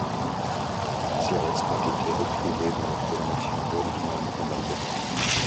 Ses restes ont été retrouvés dans la formation d'Oldman, en Alberta.